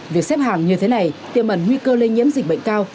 việc xếp hàng như thế này tiềm ẩn nguy cơ lây nhiễm dịch bệnh cao